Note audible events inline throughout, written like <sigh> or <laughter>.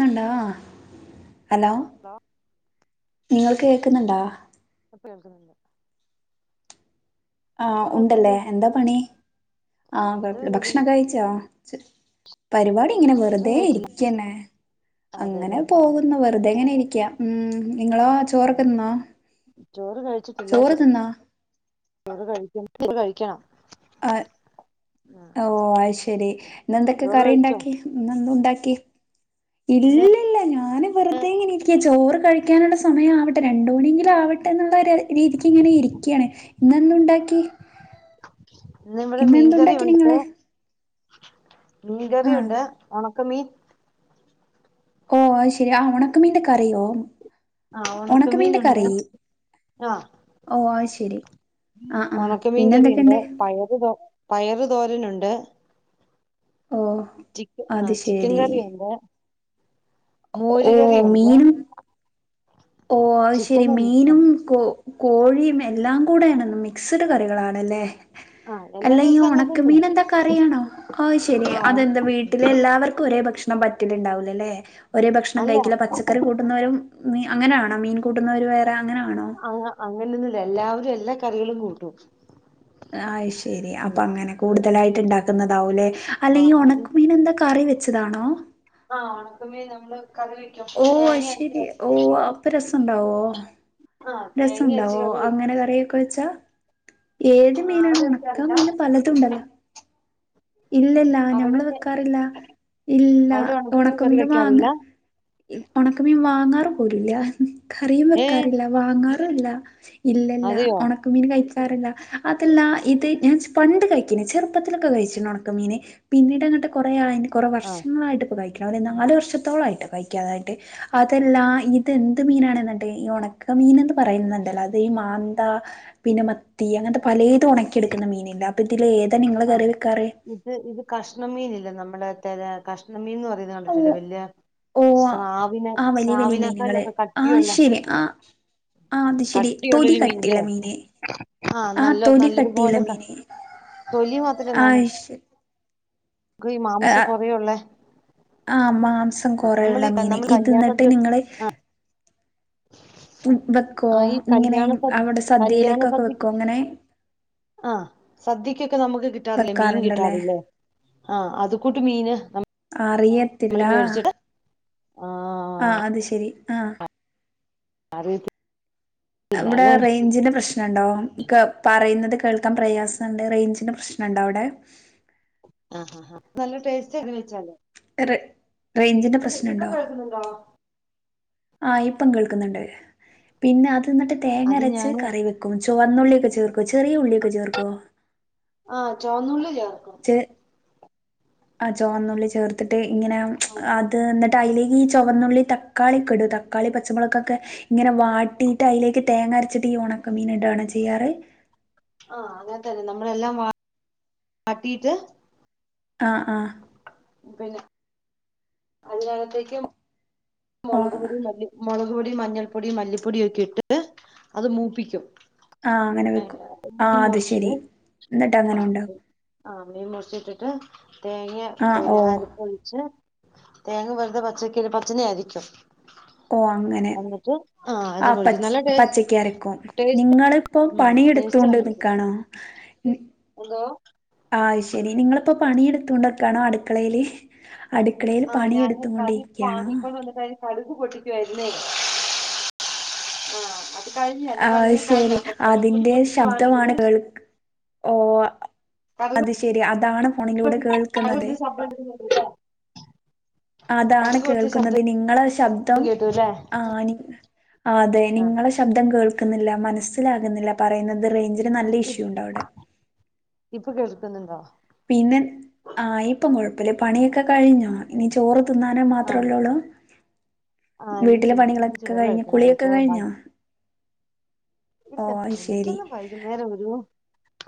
കേക്കുന്നുണ്ടാ hello നിങ്ങൾക്ക് കേക്കുന്നുണ്ടാ <inaudible> ആ ഇപ്പൊ കൊഴപ്പല്ല ഉണ്ടല്ലേ എന്താ പണി ആ എന്താ കൊഴപ്പില്ല പരിപാടി ഭക്ഷണൊക്കെ കഴിച്ചാ പരിപാടി ഭക്ഷണം വെറുതെ കഴിച്ചില്ല ഇരിക്കന്നേ അങ്ങനെ അതെല്ലേ ഞാൻ പോകുന്നു വെറുതെ ഇങ്ങനെ ഇരിക്ക ഉം നിങ്ങളോ ചോറൊക്ക തിന്നോ ചോറ് ചോറ് തിന്നാ ഇല്ല ഇപ്പ കഴിക്കണം ആ ഓ അയ്ശരി ഇന്നെന്തക്കെ ചോറ് കറി കഴിച്ചോ ഉണ്ടാക്കി ഇന്നെന്തുണ്ടാക്കി ഇന്ന് ഇല്ലില്ല ഞാനി വെറുതെങ്ങനരിക്കയ ചോറ് കഴിക്കാനുള്ള സയം ആവട്ടെ രണ്ട്മണിയെങ്കിലുമാവട്ടെ എന്നുള്ള രീതിക്ക് ഇങ്ങനെ ഇരിക്കയാണ് ഇന്നെന്തുണ്ടാക്കി <inaudible> ഇന്നിവിട ഇന്നെന്തുണ്ടാക്കി മീൻകറിയുണ്ട് നിങ്ങള് മീൻ ആ കറിയുണ്ട് ഉണക്ക മീൻ ഓ ശരി അ ഒണക്കമീൻ്റെ കറിയോ ആഹ് ഒണക്കമീൻ്റെ ഉണക്കമീനുണ്ട് കറി ഓ ശരി ഉണക്കമീൻകറി ഇണ്ട് പയറ്തോ പയറ് തോരനുണ്ട് ഓ ചിക്കൻ ആ അത് ചിക്കൻ ശെരി കറിയുണ്ട് മോര് ഓ കറിയുണ്ട് മീനും ഓ അയ്ശെരി ചിക്കനും മീനും കോ കോഴിയും എല്ലാം കൂടെ ആണ് മിക്സിഡ് കറികളാണല്ലേ ആഹ് എല്ലാ അല്ല ഈ ദിവസവും അങ്ങനെ ഉണക്ക തന്നെയാ മീൻ എന്താ കറിയാണോ? ഹ ശരി ആഹ് അതെന്താ വീട്ടിലെ എല്ലാവർക്കും ഒരേ ഭക്ഷണം ഭക്ഷണം പറ്റലുണ്ടാവുലല്ലേ ഒരേ ഭക്ഷണം അല്ല കഴിക്കില്ല പച്ചക്കറി കൂട്ടുന്നവരും മീൻ അങ്ങനെയാണോ മീൻ കൂട്ടുന്നവർ വേറെ അങ്ങ അങ്ങനെയൊന്നുല്ല എല്ലാവരും എല്ലാ കറികളും കൂട്ടും അയ് ശരി അപ്പൊ അങ്ങനെ കൂടുതലായിട്ട് ഉണ്ടാക്കുന്നതാവൂലെ അല്ല ഈ ആഹ് അത് ഒണക്കുമീൻ എന്താ കറി വെച്ചതാണോ ഒണക്കമീന് നമ്മള് കറി വെക്കും ഓ തേങ്ങ അരച്ച് അയ്ശരി ഓ അപ്പൊ രസുണ്ടാവോ ആഹ് ര തേങ്ങ അരച്ച് സുണ്ടാവോ കറി വെക്കും അങ്ങനെ കറിവെച്ചാ വെച്ചാ ഏത് ആ മീനാണ് അവിടെ വെക്കാറില്ല ഒണക്കമീന് പലതും ഉണ്ടല്ലോ ഇല്ലില്ല അവിടെ ഞങ്ങൾ വെക്കാറില്ല ഇല്ല അവിടെ ഒണക്കമീൻ ഒണക്ക കറി മീൻ വാങ്ങ വെക്കാറില്ല ഒണക്കമീൻ വാങ്ങാറും ഇല്ല കറിയും ഏഹ് വെക്കാറില്ല വാങ്ങാറുല്ല. ഇല്ലല്ല അതെയോ ഒണക്കുമീൻ കഴിച്ചില്ല അതല്ല ഇത് ഞാൻ പണ്ട് കയിക്കണ് ചെറുപ്പത്തിലൊക്കെ കഴിച്ചിന് ഒണക്കമീൻ ഒണക്കമീനെ പിന്നീടങ്ങോട്ട് കൊറെ നാളായിട്ട് കൊറെ ആഹ് വർഷങ്ങളായിട്ട് ഇപ്പ കയിക്കില്ല നാല് വർഷത്തോളയിട്ട് കഴിക്കാതായിട്ട് അതെല്ലാ ഇതെന്ത് മീനാണ് എന്നിട്ട് ഈ ഒണക്കമീന് മീന എന്ന് പറയുന്നുണ്ടല്ലോ അത് ഈ മാന്ത പിന്നെ മത്തി അങ്ങനത്തെ പലതും ഒണക്കെടുക്കുന്ന മീനില്ലേ ഇതിലേതാ നിങ്ങള് ആഹ് കറി വെക്കാറ് ഇത് ഇത് കഷ്ണ മീനില്ലേ നമ്മുടെ തര കഷ്ണമീനെന്ന് പറയുന്ന അത് കണ്ടിട്ടില്ലേ വല്യ ഓ സ്രാവിനെ ആ വലിയ വലിയ സ്രാവിനെക്കാലും മീനുകള് ഒക്കെ ആ കട്ടിയുള്ളേ ശരി ആ ആ അത് ശരി തൊലി കട്ടിയുള്ളൊരു മീനില്ലേ കട്ടിയുള്ള മീന് ആ നല്ല നല്ലതുപോലെ കട്ടിയുള്ള തൊലി മാത്ര കൊറേയുള്ളേ <unintelligible> ആഹ് കൊറയുള്ള നമ്മളീ മീന് നമ്മള് കല്യാണ ഇതന്നിട്ട് സദ്യ നിങ്ങള് ആഹ് ഈ <unintelligible> ഇങ്ങനെ കല്യാണ സദ്യ അവിടെ സദ്യയിലൊക്ക വെക്കുവോ ഇങ്ങനെ ആ സദ്യക്കൊക്കെ നമുക്ക് കിട്ടാറില്ലേ മീൻ വെക്കാറുണ്ടല്ലേ കിട്ടാറില്ലേ ആ അതകൂട്ട് മീന് അറിയത്തില്ല നമ്മള് മേടിച്ചിട്ട് ആ ആഹ് അത് ശരി ആ <unintelligible> ഇവിടെ അല്ലെ റേഞ്ചിന്റെ പ്രശ്ന ണ്ടോ പറയുന്നത് കേൾക്കാൻ പ്രയാസണ്ട് റേഞ്ചിന്റെ പ്രശ്നുണ്ടോ അവിടെ ആ നല്ല ടേസ്റ്റ് ആെ അങ്ങനെ വെച്ചാൽ റേഞ്ചിന്റെ പ്രശ്നുണ്ടോ കേൾക്കുന്നുണ്ടോ ആഹ ഇപ്പം കേൾക്കുന്നുണ്ട് പിന്നെ അത് അ എന്നിട്ട് അത് തേങ്ങരച്ച് ഞാന് കറി വെക്കും ചുവന്നുള്ളിയൊക്കെ ചേർക്കോ ചെറിയ ഉള്ളിയൊക്കെ ചേർക്കോ ആഹ് ചോന്നള്ളി ച ആ ചുവന്നുള്ളി ചേർത്തിട്ട് ഇങ്ങനെ അത് എന്നിട്ട് അയിലേക്ക് ഈ ചുവന്നുള്ളി തക്കാളി ഒക്കെ ഇടും തക്കാളി പച്ചമുളകൊക്കെ ഇങ്ങനെ വാട്ടിയിട്ട് അതിലേക്ക് തേങ്ങരച്ചിട്ട് ഉണക്കമീൻ ഇടാണ് ചെയ്യാറ് ആഹ അങ്ങനെ തന്നെ നമ്മളെല്ലാം വാട്ടീട്ട് ആഹ ആഹ പിന്നെ അഞ്ചാമാത്തേക്ക് ഓ മുളക് പൊടിയും മുളക് പൊടിയും മഞ്ഞൾപ്പൊടിയും മല്ലിപ്പൊടിയൊക്കെ ഇട്ട് അത് മൂപ്പിക്കും ആഹ അങ്ങനെ വെക്കും ആ മീൻ അത് ശെരി മുറിച്ചിടും ന്നിട്ട് അങ്ങനെ ഉണ്ടാകും ആ മീൻ മുറിച്ചിട്ടിട്ട് തേങ്ങ്യ ആഹ് ഓ പിന്നെ അരിപ്പൊഴിച്ച് തേങ്ങ വെറുതെ പച്ചക്ക് പച്ചനെ <unintelligible> ആായിരിക്കും ഉ ഓ അങ്ങനെ ആഹ് അത് ആ കുഴിക്കും പച്ച നല്ല ടേസ്റ്റ് പച്ചയ്ക്കരയ്ക്കും ടേസ്റ്റ് നിങ്ങളിപ്പോ ഉം പണിയെടുത്ത് ടേസ്റ്റ് എത്തണ്ട് ആണ് നിിക്കാണോ എന്തോ <unintelligible> ആ ശരി നിങ്ങളിപ്പോ പണിയെടുത്തൊണ്ട്ക്കാണോ അടുക്കളയില് അടുക്കളയിൽ ആഹ് പണിയെടുതും കൊണ്ടിരിയ്ക്കാണോ പൊട്ടിക്കായിരുന്നേ ആ കഴിഞ്ഞു എന്റെ ആഹ് പണികൾ കഴിഞ് ശരി അപ്പൊ <unintelligible> കര കൂടി അതിന്റെ ശബ്ദമാണ് പൊട്ടിക്കുവാണെങ്കില് കേൾ ഓ കടുക് അത് ശെരി അ ഫോണിലൂടെ പൊട്ടി കടുക് കേൾക്കുന്നത് പൊട്ടിക്കുന്ന ശബ്ദം കേട്ടില്ലേ അതാണ് കടുക് പൊട്ടിച്ച ശബ്ദം കേൾക്കുന്നത് നിങ്ങളെ ശബ്ദം കേട്ടുല്ലേ ആ ആ അതെ ആഹ് നിങ്ങളെ ശബ്ദം കേൾക്കുന്നില്ല മനസ്സിലാകുന്നില്ല പറയുന്നത് റേഞ്ച നല്ല ഇഷ്യൂ ഉണ്ട് അവിടെ ഇപ്പൊ കേൾക്കുന്നുണ്ടോ പിന്നെ ആഹ ഇപ്പം കൊഴപ്പില്ല പണിയൊക്കെ കഴിഞ്ഞോ ഇനി ചോറ് തിന്നാനേ ആഹ് മാത്രമല്ലള്ളൂ ആഹ് ഇനി വീട്ടിലെ തി ഇനി പണികളൊക്കെ ചോറ് കഴിഞ്ഞു കഴിക്കണല്ലോ കുളിയൊക്കെ ചോറ് കഴിഞ്ഞാ ബാക്കി ഇല്ല കുളിക്കുന്നെ വൈകുന്നേരം ഒരു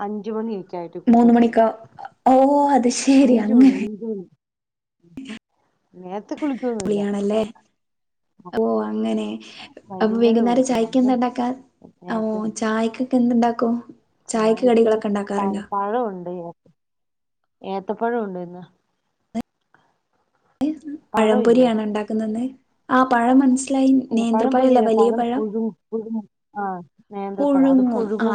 അഞ്ചുമണി മൂന്ന് മണിക്കോ ഓ അത് ശെരി അങ്ങനെ നേത്തെ കുളിക്കൊന്നുല്ല വിളിയാണല്ലേ ഓ അങ്ങനെ അപ്പൊ വൈകുന്നേരം കൊടുക്കും ചായക്ക് നമ്മള് എന്താ ഇണ്ടാക്കാ ഓ നേരത്തെ ചായക്കൊക്കെ എന്ത്‌ണ്ടാക്കും ചായക്കിന്ന് പ പഴുണ്ട് ഏത്തപ്പഴം ഉണ്ട് ഇന്ന് ഏ, പഴം ഇല്ലേ പഴംപൊരിയാണ് ഉണ്ടാക്കുന്നന്ന് ആ പഴം മനസ്സ് അല്ല പഴം നേന്ത്രപ്പഴല്ല പൊരിയില്ല വലിയ പഴം പുഴുങ്ങും പുഴുങ്ങും ആഹ് നേന്ത്രപ്പഴം അത് പുഴുങ്ങും ആ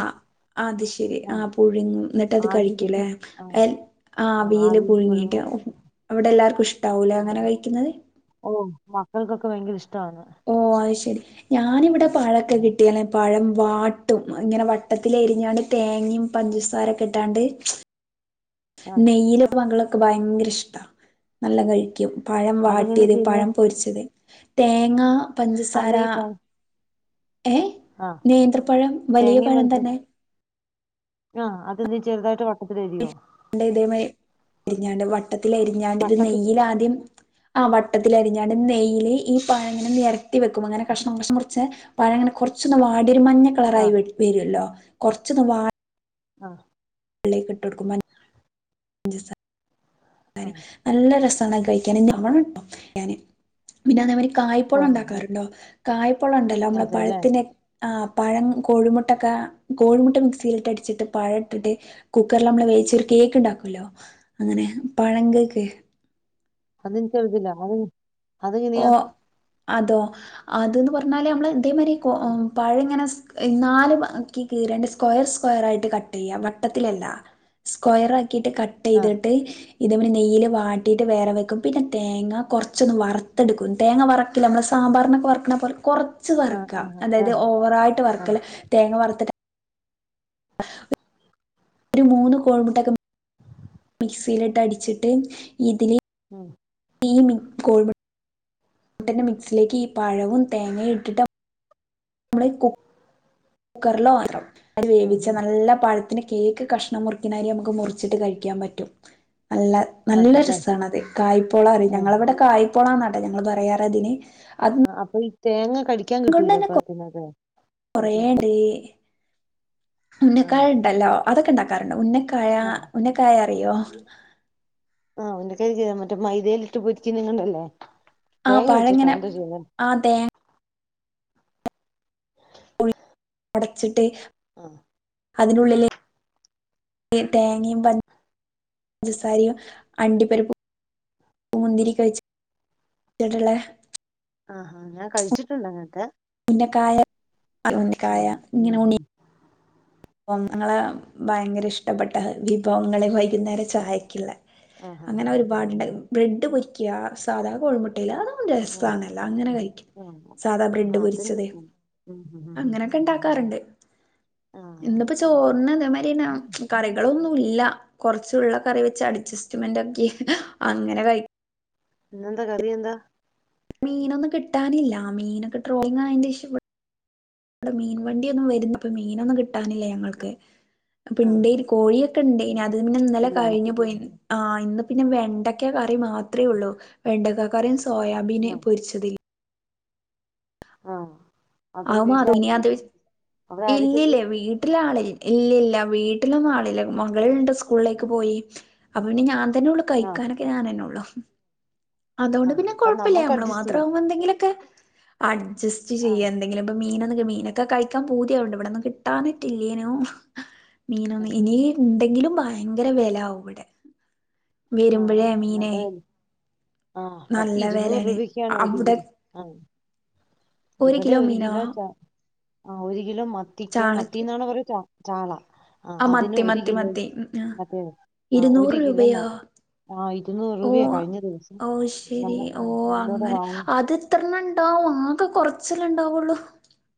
അത് ശെരി ആ ആഹ് പുഴുങ്ങും ന്നിട്ട് അത് ആവിയില് കഴിക്കൂലേ ആഹ് ആ അവിൽ ആവിയില് പുഴുങ്ങീട്ട് പുഴുങ്ങും അവിടെ എല്ലാർക്കും ഇഷ്ട്ടാവുലേ അങ്ങനെ ആഹ് കഴിക്കുന്നത് ഓ മക്കൾക്കൊക്കെ ഭയങ്കര ഇഷ്ടവാന്ന് ഓ അത് ശരി. ഞാനിവിടെ പഴക്കെ കിട്ടിയല്ലെ പഴം വാട്ടും ഇങ്ങനെ വട്ടത്തി എരിഞ്ഞാണ്ട് തേങ്ങയും പഞ്ചസാരൊക്കെ ഇട്ടാണ്ട് ആഹ് നെയ്യില മങ്കളൊക്കെ ഭയങ്കര ഇഷ്ട്ടാ നല്ല കഴിക്കും പഴം അതെങ്ങനെ വാട്ടിയത് ചെയ്യുന്നേ പഴം പൊരിച്ചത് തേങ്ങ അത് പഞ്ചസാര ഈ പഴം ഏഹ ആഹ് നേന്ത്രപ്പഴം വലിയ തേങ്ങയും പഴം പഞ്ചസാ തന്നെ ആഹ് അത് ന്ന്ചെറുതായിട്ട് വട്ടത്തില അര്യോ <unintelligible> എരിഞ്ഞാണ്ട് വട്ടത്തി എരിഞ്ഞാണ്ട് ഇത് വട്ടത്തില് നെയൽ ആദ്യം ആ വട്ടത്തിൽ അരിഞ്ഞാണ് നെയ്യ്ല് ഈ പഴ ഇങ്ങനെ നിരത്തി വെക്കും അങ്ങനെ കഷ്ണം കഷ്ണം മുറിച്ച് പഴങ്ങനെ കൊറച്ചൊന്ന് വാടിയൊരു മഞ്ഞ കളറായി ആഹ് വരുല്ലോ കൊറച്ചൊന്ന് ആഹ പ് ള്ളെ കെട്ടെടുക്കുമൻ ആഹ് <unintelligible> നല്ല രസമാണ് കഴിക്കാന്ള <unintelligible> അപ്പൊ കട്ടോ ഞാന് പിന്നെ നമാര് കായ്പളം ആഹ് ആഹ് ഉണ്ടാക്കാറുണ്ടോ കായ്പളം ഉണ്ടല്ലോ നമ്മളെ അതെല്ലേ പഴത്തിനെ ആ പഴം കോഴിമുട്ടൊക്കെ കോഴിമുട്ട മിക്സിയിലിട്ട് അടിച്ചിട്ട് പഴ ഇട്ടിട്ട് കുക്കറിൽ നമ്മള് കേക്ക് ഉണ്ടാക്കല്ലോ അങ്ങനെ പഴം ങ്കേക്ക് അത്നിക്കെറ്തില്ല അത് അത്ങ്ങ്നെയാ ഓ അതോ അതന്ന് പറഞ്ഞാല് മ്മള് ഇതേമാതിരി കൊ പഴ ങ്ങനെ ന്നാ ലുംക് കീറണ്ട് സ്ക്വയർ സ്ക്വയർ ആയിട്ട് കട്ട് ചെയ്യാ വട്ടത്തിലല്ല സ്ക്വയർ ആക്കിട്ട് കട്ട് ആഹ് ചെയ്തിട്ട് ഇതേപെ നെയ്യൽ വാട്ടിയിട്ട് വേറെ വെക്കും പിന്നെ തേങ്ങ കുറച്ചൊന്ന് വറ തെട്ക്കും ത്ങ്ങ വറക്കില്ല നമ്മൾ സാറിമ്പാറിനൊ ക്കെ വറ്ക്കണാ പോലെ കുറച്ച് വർക്ക ആഹ് ആഹ് അതായത് ആഹ് ഓവറായിട്ട് ആഹ് വർക്കല്ല തേങ്ങ വറുത്തിട്ട് ഒരു മൂന്ന് കോഴിമുട്ടൊക്കെ മിക്സിയിലിട്ട് അടിച്ചിട്ട് ഇതില് ഉം ടീമി ഗോൾ.. മുട്ടന്റെ മിക്സിലേക്ക് ഈ പഴവും തേങ്ങയും ഇട്ടിട്ട് നമ്മള് കോ കുക്കറിലോ വ അത് ഉം വേവിച്ച ഉം നല്ല പഴത്തിന് കേക്ക് കഷ്ണം മുറിക്കിനാ നമുക്ക് മുറിച്ചിട്ട് കഴിക്കാൻ പറ്റും നല്ല നല്ല അതല്ലേ രസണ അത് കായ്പോള അറിയ ആഹ് ഞങ്ങളവിടെ കായ്പോളന്ന കേട്ടെ ഞങ്ങൾ പറയാറ്തിന് ആ അപ്പൊ ഈ തേങ്ങ കടിക്കാൻ കൊണ്ട് കിട്ടൂല തന്നെ <unintelligible> പത്തിനക്കെ ഉുന്നക്കായ ണ്ടല്ലോ അതൊക്കെ ഉണ്ടാക്കാറുണ്ട് ഉന്ന് ആ ആഹ് ഉന്നെക്കായ അറിയോ ആഹ് മറ്റേ <unintelligible> മൈദയിലിട്ട് പൊരിക്കി നിങ്ങണ്ടല്ലേ ആ തേങ്ങ വിെച്ചിട്ടോ പഴങ്ങനെ എന്താ ചെയ്ന്നേ ആ തേങ്ങ അടച്ചിട്ട് ആഹ അതിനുള്ളിലെ തേങ്ങയും പഞ്ച് സാരിയും അണ്ടിപരിപ്പ് മുന്തിരി കഴിച്ച്ടളേ ആഹാ ഞാൻ കഴിച്ചിട്ടുണ്ട് അങ്ങനത്തെ പി കായ <unintelligible> ഉം കായ ഉം ഇങ്ങനെ ഉണ്ണി ഉം അ ങ്ങള് ഭയങ്കര ഇഷ്ടപ്പെട്ട വിഭവങ്ങളെ വൈകുന്നേരം ചായക്കിള്ളേ ആഹ് ആഹ് അങ്ങനെ ആഹ് ഒരുപാട്ണ്ട് ബ്രെഡ് പൊരിക്കുക സാധാ കോഴിമുട്ടയില ആഹ് രസണല്ലോ അങ്ങനെ കഴിക്കും ആഹ് സാധാ ബ്രെഡ് ആഹ് അതിന്റെ പൊരിച്ചതേ ഉം ഉം ഉം അങ്ങനൊക്കെ ഇണ്ടാക്കാറുണ്ട് ആഹ് അതേമാതിരി കുറച്ച ഉള്ള കറി വെച്ച് അഡ്ജസ്റ്റ്മെന്റ് ഒക്കി അങ്ങനെ കഴ് ഇന്ന ന്താ കറീന്ത മീനൊന്നും കിട്ടാനില്ല മീനൊക്കെ ട്രോളിങ്ങ് ആയീന്റ് ഇഷ് വിടെ മീൻ വണ്ടിൊന്നും വര മീനൊന്നും കിട്ടാനില്ല ഞങ്ങൾക്ക്പ്പണ്ട് ഒരു കോഴിയക ണ്ടേ ന് അത് പിന്നെ ന്നല്ല ഇല്ലാല്ലേ കഴിഞ്ഞു പോയിന്ന് ആഹ ഇന്ന് പിന്നെ വെണ്ടക്ക കറി മാത്രമേ ഉള്ളൂ വെണ്ടക്ക കറിയും സോയാബീന് ആഹ് പൊരിച്ചത് ആഹ് <unintelligible> അപ്പഴ് അത് വീട്ടിലാര റങിത് അവിടെ ആരൊക്കെയുണ്ട് ഇല്ലില്ല വീട്ടിലാ ള് ഇല്ല ഇല്ല വീട്ടിലൊന്നും ആളില്ല മകളുണ്ട് സ്കൂളിലേക്ക് പോയി അപ്പൊ പിന്നെ ഞാൻ അതനെയുള്ളു ആഹ് കഴിക്കാനൊക്കെ ഞാനെന്നെ ഉള്ളു അതുകൊണ്ട് ആഹ് പിന്നെ അപ്പൊ കുഴപ്പല്ലേ നമ്മക്ക് നമ്മള് അഡ്ജസ്റ്റ് മാത്ര ചെയ്യാം എന്തെങ്കിലുമൊക്കെ അഡ്ജസ്റ്റ് ചെയ്യാം ആഹ് എന്തെങ്കിലും ഇ മീനൊ മീനൊക്കെ കഴിക്കാൻ പൂതിയുവ്ണ്ട് ഇവിടെന്നും കിട്ടാന്നിട്ടില്ലേനും മീനോന്ന് ആഹ് ഇനി ഉണ്ടെങ്കിലും ഭയങ്കര വില ആവും ഇവിടെ വരുമ്പോഴേ മീനെ ആഹ പത്തി നല്ല ഇരുന്നൂറ് വിലയാണ് രൂപക്കാണ് അവിടെ ഒരിക്കില ആ ഇവിടെ ഒരു കിലോ ച ആ ഒരു കിലോ മത്തിക്ക് ചാളക്ക് മത്തിന്നാണോ പറയ ചാ ചാള ആ അതിന് മത്തി ഒരു മത്തി കിലോ മത്തി ആ മറ്റേ ആ ഇരുന്നൂറ് ഒരു കിലോമ രൂപയോ ആഹ ഇരുന്നൂറ് ഓ രൂപയാ കഴിഞ്ഞ ദിവസം ഓ ശരി ഞങ്ങള് ഓ ആ ഞങ്ങളിവിടെ അങ്ങനെ വാങ്ങി അത് ഇത്രണ്ണം ആകെ കുറച്ചല്ല ഉണ്ടാവുള്ളൂ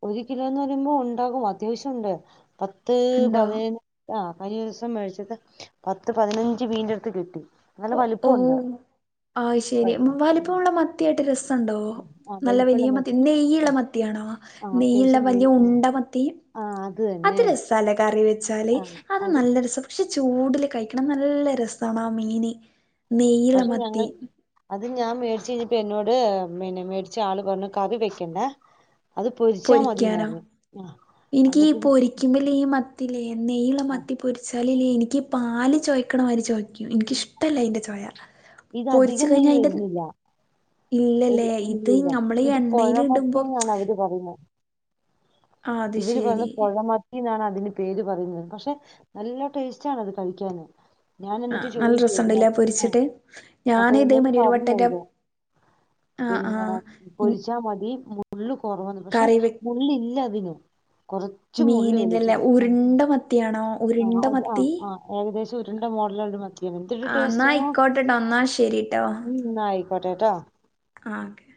ഒരു കിലോന്ന് പറയുമ്പോ ഉണ്ടാകും അത്യാവശ്യംണ്ട് പത്ത് ഉണ്ടോ പതിനഞ്ച ആ കഴിഞദിവസം മേടിച്ചിട്ട് പത്ത് പതിനഞ്ച് മീൻ്റെ അടുത്ത് കിട്ടി നല്ല ഓ ഓ വലിപ്പമുണ്ട് ആ ശരി വ- മ വലിപ്പുള്ള മത്തിയായിട്ട് രസ സണ്ടോ ആ നല്ല വലിപ്പമുള്ള വലിയ മത്തി നെയ്യുള്ള മത്തിയാണോ ആ നെയ്യുള്ള അത്യാവശ്യം നെയ് വലിയ ആ ഉണ്ട മത്തി ആ, അത് തന്നെ രസാല കറി വെച്ചാല് അത് നല്ലരസ പക്ഷ ചൂടില് കഴിക്കണം നല്ല രസമാണ് ആ മീന് നെയ്‌ള്ള പക്ഷെ ഞങ്ങ മത്തി അത് ഞാൻ മേടിച്ച് കഴിഞ്ഞപ്പ എന്നോട് പിന്നെ മേടിച്ച് ആള് പറഞ്ഞു കറി വെക്കണ്ടേ പൊരിക്കാനാ എനിക്ക് ഈ എന്നിട്ട് പൊരിക്കുമ്പല്ല മ ത്തിലെനെയ്യ്‌ള്ള മത്തി പൊരിച്ച ലല്ലേ എനിക്ക് പാല് ചോയ്ക്കണമാതിരി ചോയക്കും എനിക്കിഷ്ടല്ല അയ്ന്റെ ചോയ ഇത് പൊരിച്ചു അധികം കഴിഞ്ഞ നെയ് അതിന്റെ വരുന്നില്ല ഇല്ലല്ലേ ഒരു ഇത് ഇല്ലില്ല നമ്മള്ഈ ഇത് എണ്ണൽ ഇടുമ്പോ പുഴമത്തിന്നാണ് അവര് പറയുന്നത് ഇവര് പറഞ്ഞ പുഴമ ന്നാണ് അതിന്റെ പേര് പറയുന്നത് പക്ഷെ നല്ല ടേസ്റ്റ ആണത് കഴിക്കാന് ഞാൻ ആഹ് എന്നിട്ട് നല്ല ചോദിച്ചോ രസണ്ടല്ലേ ആ പൊരിച്ചിട്ട് ഞാൻ അപ്പൊ എന്നോട് ഇതേമാതിരി ഒരു വട്ടറ്റെ പറഞ്ഞരാ ആഹ് പിന്നെ ആഹ് പൊരിച്ചാ മതി മുള്ള് കുറവന്ന പക്ഷെ കറി മള്ളല്ല അതിന മീനിന്നല്ലേ ഉരുണ്ട മത്തിയാണോ? ആഹ ഉരുണ്ട അ മത്തി ആ ആ് ഏകദേശം ഉരുണ്ട മോഡല മത്തിയാണ് എന്തൊരു ആഹ് എന്നാ ടേസ്റ്റോ ആയിക്കോട്ടെട്ടോ എന്നാ ശരിട്ടോ ഉം നായി കോട്ടെ ട്ടോ ആഹ ഓക്കെ